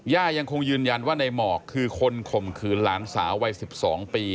ย่ายังคงยืนยันว่าในหมอกคือคนข่มขืนหลานสาววัย๑๒ปี